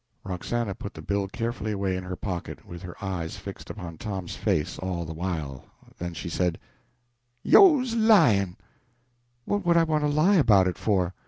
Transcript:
Roxana put the bill carefully away in her pocket, with her eyes fixed upon Tom's face all the while; then she said "Yo's lyin'!" "What would I want to lie about it for?"